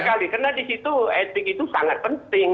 karena di situ etik itu sangat penting